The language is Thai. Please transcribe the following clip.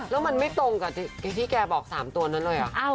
แล้วมันไม่ตรงกับที่แกบอก๓ตัวนั้นเลยเหรอ